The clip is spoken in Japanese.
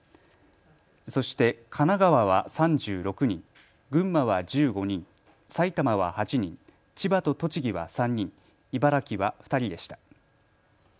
そして神奈川は３６人、群馬は１５人、埼玉は８人、千葉と栃木は３人、茨城は２人でした。